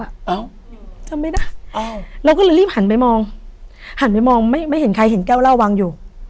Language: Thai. เอ้าจำไม่ได้เราก็เลยรีบหันไปมองหันไปมองไม่เห็นใครเห็นแก้วเหล้าวางอยู่